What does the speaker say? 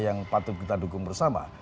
yang patut kita dukung bersama